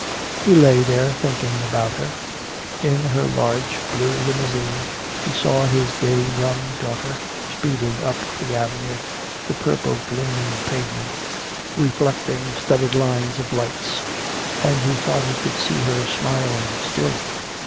He lay there thinking about her. In her large blue limousine he saw his gay young daughter speeding up the Avenue, the purple gleaming pavement reflecting studded lines of lights. And he thought he could see her smiling still.